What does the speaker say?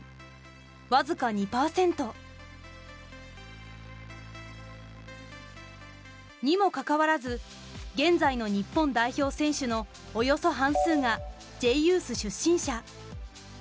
僅か２％。にもかかわらず現在の日本代表選手のおよそ半数がＪユース出身者。